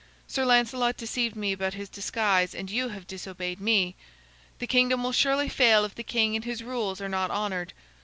Sir Lancelot deceived me about his disguise, and you have disobeyed me. The kingdom will surely fail if the king and his rules are not honored.